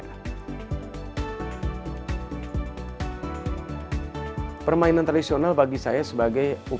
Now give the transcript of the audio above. pertama bagaimana cara pemain permainan tradisional menjadi suatu peruntuk yang lebih menarik